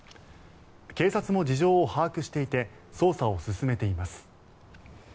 警察も事情を把握していて捜査を進めています。